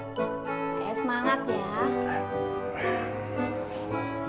ayah ayah semangat ya